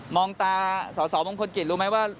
องตาสอสอมงคลกิจรู้ไหมว่า